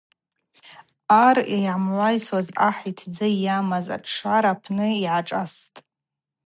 Ар йгӏамгӏвайсуаз ахӏ йтдзы йамаз атшшара апны йгӏашӏастӏ.